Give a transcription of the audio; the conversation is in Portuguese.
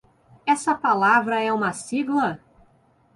Essa palavra é uma sigla?